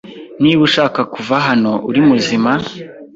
Niba ushaka kuva hano uri muzima,